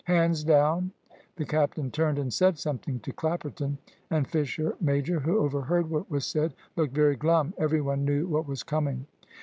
"Hands down." The captain turned and said something to Clapperton; and Fisher major, who overheard what was said, looked very glum. Every one knew what was coming.